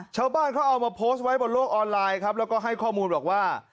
ชาวบ้านเขาเอามาโพสต์ไว้บนโลกออนไลน์ครับแล้วก็ให้ข้อมูลบอกว่า